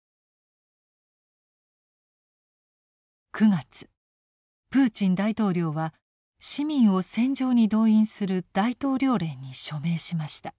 ９月プーチン大統領は市民を戦場に動員する大統領令に署名しました。